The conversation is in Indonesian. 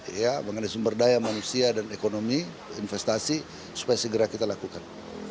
ya mengenai sumber daya manusia dan ekonomi investasi supaya segera kita lakukan